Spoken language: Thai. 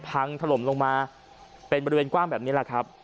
พังถล่มลงมาเป็นบริเวณกว้างแบบนี้แหละครับ